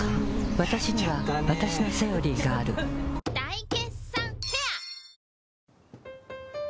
わたしにはわたしの「セオリー」がある大決算フェア